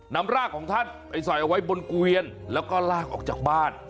นำรากของท่านไปสอยเอาไว้บนเกวียนแล้วก็ลากออกจากบ้าน